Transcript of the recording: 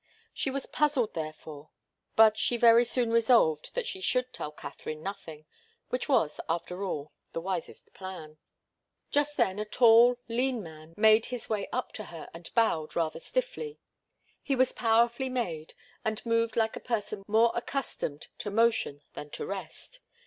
She was puzzled, therefore, but she very soon resolved that she should tell Katharine nothing, which was, after all, the wisest plan. Just then a tall, lean man made his way up to her and bowed rather stiffly. He was powerfully made, and moved like a person more accustomed to motion than to rest.